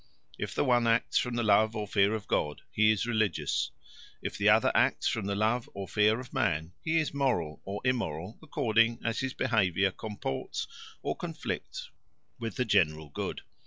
If the one acts from the love or fear of God, he is religious; if the other acts from the love or fear of man, he is moral or immoral according as his behaviour comports or conflicts with the general good.